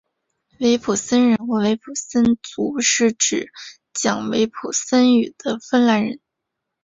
维普森人或维普森族是指讲维普森语的芬兰人。